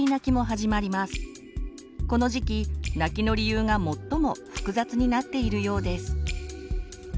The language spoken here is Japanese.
この時期泣きの理由が最も複雑になっているようです。